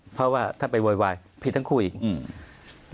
เพราะว่าถ้าไปโวยวายผิดทั้งคู่อีกอืม